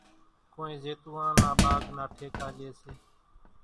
ڪونئين زيتوئان نا ٻاگھ نا ٺيڪا ليئيَ سي۔